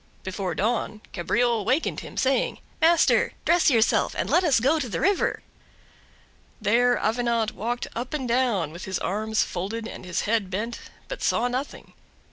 Before dawn Cabriole wakened him, saying: "Master, dress yourself and let us go to the river." There Avenant walked up and down, with his arms folded and his head bent, but saw nothing.